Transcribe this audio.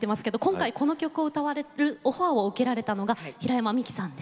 今回この曲を歌われるオファーを受けられたのが平山みきさんです。